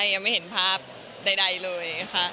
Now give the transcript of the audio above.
ยังเลยคะใดเลย